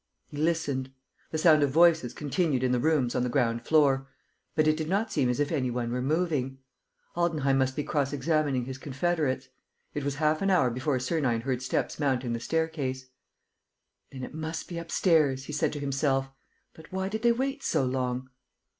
He listened. The sound of voices continued in the rooms on the ground floor, but it did not seem as if any one were moving. Altenheim must be cross examining his confederates. It was half an hour before Sernine heard steps mounting the staircase. "Then it must be upstairs," he said to himself. "But why did they wait so long?"